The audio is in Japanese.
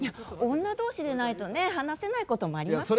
女同士でないとねえ話せないこともありますから。